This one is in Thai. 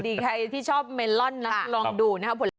ใครที่ชอบเมลอนนะลองดูนะครับ